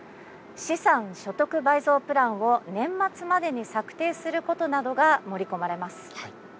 資産所得倍増プランを年末までに策定することなどが盛り込まれます。